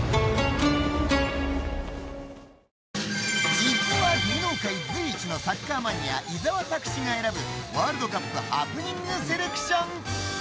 実は芸能界随一のサッカーマニア伊沢拓司が選ぶワールドカップハプニングセレクション。